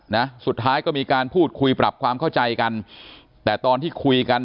นะสุดท้ายก็มีการพูดคุยปรับความเข้าใจกันแต่ตอนที่คุยกัน